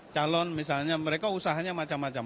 calon misalnya mereka usahanya macam macam